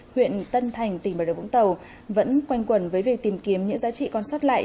huyện tân thành tỉnh bà điều vũng tàu vẫn quanh quần với việc tìm kiếm những giá trị còn sót lại